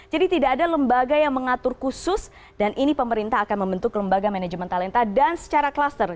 jadi tidak ada lembaga yang mengatur khusus dan ini pemerintah akan membentuk lembaga manajemen talenta dan secara kluster